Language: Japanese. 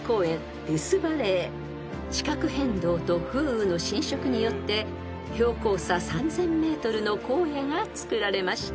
［地殻変動と風雨の浸食によって標高差３，０００ｍの荒野がつくられました］